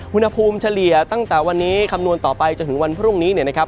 เฉลี่ยตั้งแต่วันนี้คำนวณต่อไปจนถึงวันพรุ่งนี้เนี่ยนะครับ